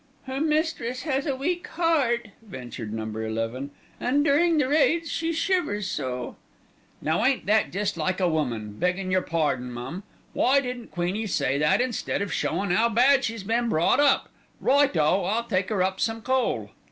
"Her mistress has a weak heart," ventured Number Eleven, "and during the raids she shivers so " "Now ain't that jest like a woman, beggin' your pardon, mum. Why didn't Queenie say that instead of showin' 'ow bad she's been brought up? Right o! I'll take her up some coal."